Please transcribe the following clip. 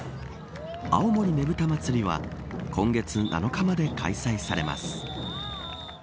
青森ねぶた祭は今月７日まで開催されます。